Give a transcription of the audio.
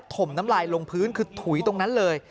ติดตรงพื้นคือถุยตรงนั้นเลย